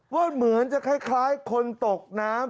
เหมือนจะคล้ายคนตกน้ำ